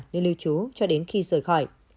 nơi lưu trú cho đến khi rời khỏi